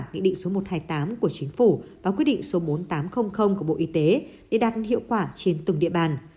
nghị định số một trăm hai mươi tám của chính phủ và quyết định số bốn nghìn tám trăm linh của bộ y tế để đạt hiệu quả trên từng địa bàn